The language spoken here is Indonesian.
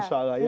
insya allah ya